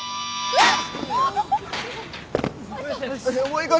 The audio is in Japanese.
えっ。